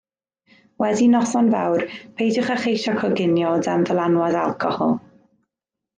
Wedi noson fawr peidiwch â cheisio coginio o dan ddylanwad alcohol